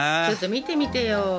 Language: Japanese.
ちょっと見てみてよ。